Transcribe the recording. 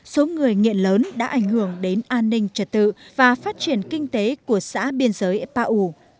số người nghiện lớn đã ảnh hưởng đến an ninh trật tự và phát triển kinh tế của xã biên giới pa u